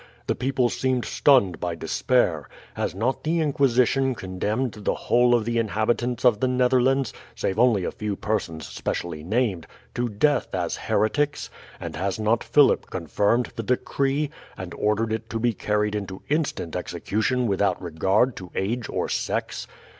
The people seemed stunned by despair. Has not the Inquisition condemned the whole of the inhabitants of the Netherlands save only a few persons specially named to death as heretics? and has not Philip confirmed the decree, and ordered it to be carried into instant execution without regard to age or sex?